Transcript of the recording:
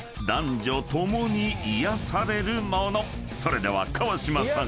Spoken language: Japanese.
［それでは川島さん